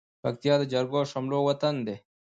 پکتيا د جرګو او شملو وطن دى.